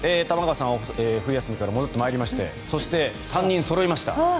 玉川さんは冬休みから戻ってまいりましてそして、３人そろいました。